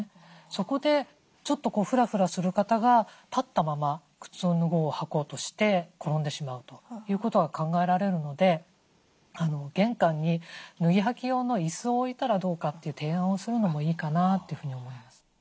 そこでちょっとフラフラする方が立ったまま靴を脱ごう履こうとして転んでしまうということが考えられるので玄関に脱ぎ履き用の椅子を置いたらどうかという提案をするのもいいかなというふうに思います。